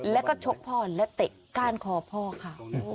แล้วก็ชกพ่อและเตะก้านคอพ่อค่ะ